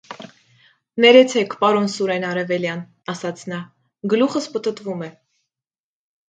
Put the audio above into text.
- Ներեցեք, պարոն Սուրեն Արևելյան, - ասաց նա, - գլուխս պտտվում է.